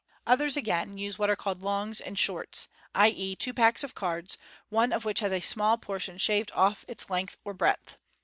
Others, again, use what are called " longs and shorts "— i.e., two packs of cards, one of which has had a small portion shaved off its length or breadth.